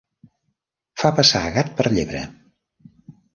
Fer passar gat per llebre.